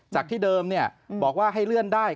จากที่เดิมบอกว่าให้เลื่อนได้